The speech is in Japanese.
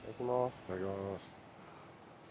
いただきます。